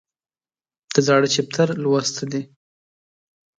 د زاړه چپټر لوسته دي